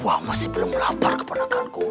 wah masih belum lapar keponakan ku